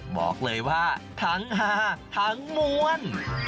บอกเลยว่าทั้งฮาทั้งมวล